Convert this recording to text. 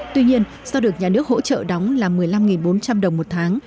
tuy nhiên do được nhà nước hỗ trợ đóng là một mươi năm bốn trăm linh đồng một tháng